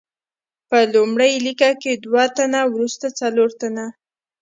په لومړۍ لیکه کې دوه تنه، وروسته څلور تنه.